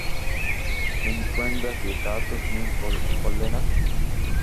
Influenza কী, তা তো তুমি বললে না!